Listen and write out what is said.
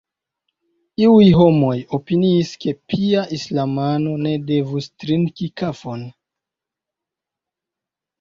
Iuj homoj opiniis, ke pia islamano ne devus trinki kafon.